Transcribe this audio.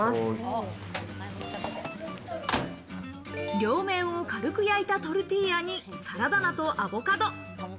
両面を軽く焼いたトルティーヤにサラダ菜とアボカド。